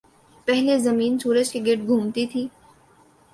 پہلے زمین سورج کے گرد گھومتی تھی۔